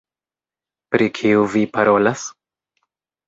Pri kiu vi parolas?